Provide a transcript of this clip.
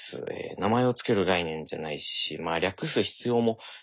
名前を付ける概念じゃないし略す必要もないですからね。